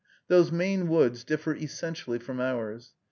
Those Maine woods differ essentially from ours.